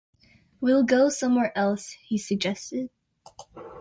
"We'll go somewhere else," he suggested.